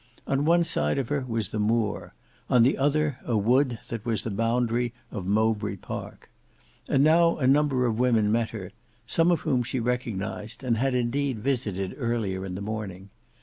On one side of her was the moor, on the other a wood that was the boundary of Mowbray Park. And now a number of women met her, some of whom she recognised, and had indeed visited earlier in the morning.